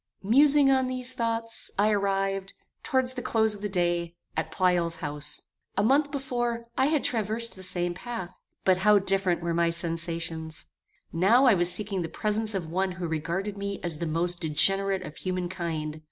Musing on these thoughts, I arrived, towards the close of the day, at Pleyel's house. A month before, I had traversed the same path; but how different were my sensations! Now I was seeking the presence of one who regarded me as the most degenerate of human kind.